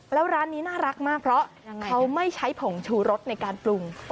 แล้วร้านนี้น่ารักมากเพราะเขาไม่ใช้ผงชูรสในการปรุง